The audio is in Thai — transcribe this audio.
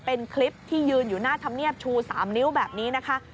เป็นคลิปที่ยืนอยู่หน้าธรรมเนียบชู๓นิ้วแบบนี้นะคะ